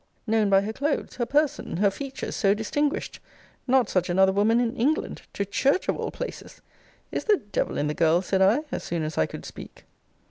Known by her clothes her person, her features, so distinguished! Not such another woman in England! To church of all places! Is the devil in the girl? said I, as soon as I could speak.